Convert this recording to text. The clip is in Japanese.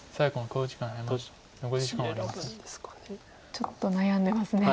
ちょっと悩んでますね。